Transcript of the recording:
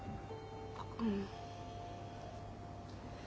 うん。